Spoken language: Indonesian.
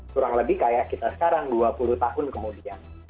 kurang lebih kayak kita sekarang dua puluh tahun kemudian